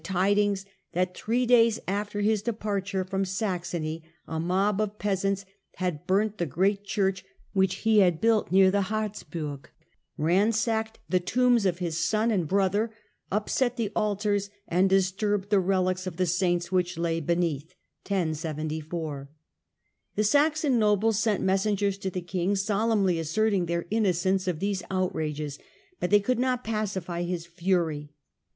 nt]S tidings that, three days after his departure th"Sra* ^^^ Saxony, a mob of peasants had burnt burg, 1074 the great church which he had built near the Harzburg, ransacked the tombs of his son and brother, upset the altars, and disturbed the reliques of the saints which lay beneath. The Saxon nobles sent messengers to the king, solemnly asserting their innocence of these outrages ; but they could not pacify his fury.